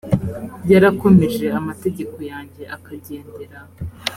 yarakomeje amategeko yanjye akagendera